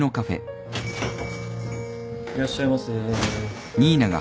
・いらっしゃいませ。